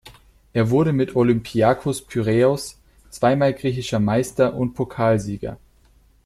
Er wurde mit Olympiakos Piräus zweimal griechischer Meister und Pokalsieger.